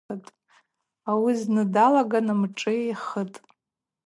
Ауи зны далаган мшӏы йхытӏ.